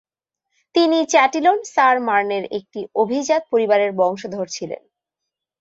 তিনি চ্যাটিলন-সার-মার্নের একটি অভিজাত পরিবারের বংশধর ছিলেন।